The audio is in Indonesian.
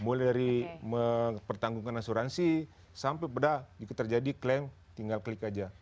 mulai dari mempertanggungkan asuransi sampai pada itu terjadi klaim tinggal klik aja